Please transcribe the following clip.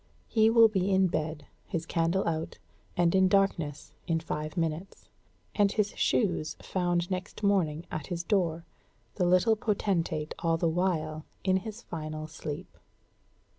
He will be in bed, his candle out, and in darkness, in five minutes, and his shoes found next morning at his door, the little potentate all the while in his final sleep.